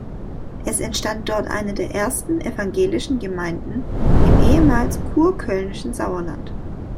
Es entstand dort eine der ersten evangelischen Gemeinden im ehemals kurkölnischen Sauerland.